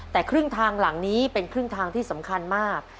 แต่ครึ่งทางหลังนี้เป็นครึ่งทางที่สำคัญมาก